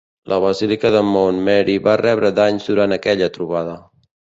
La Basílica de Mount Mary va rebre danys durant aquella trobada.